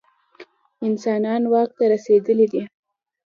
انسانان واک ته رسېدلي.